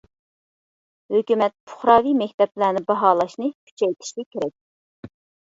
ھۆكۈمەت پۇقراۋى مەكتەپلەرنى باھالاشنى كۈچەيتىشى كېرەك.